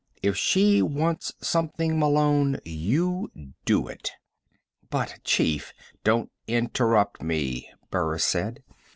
If she wants something, Malone, you do it." "But, chief " "Don't interrupt me," Burris said.